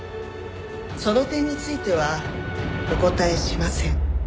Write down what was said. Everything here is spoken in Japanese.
その点についてはお答えしません。